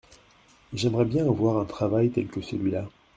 J’aimerais bien avoir un travail tel que celui-là.